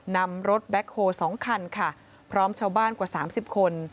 นำรถแบ็คโฮ๒คันค่ะพร้อมชาวบ้านกว่า๓๐คน